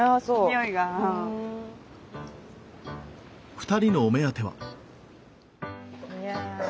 ２人のお目当ては。